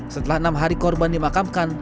setelah enam hari korban dimakamkan